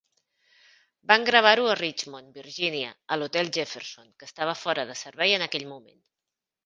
Van gravar-ho a Richmond, Virgínia, a l'Hotel Jefferson, que estava fora de servei en aquell moment.